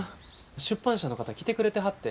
出版社の方来てくれてはって。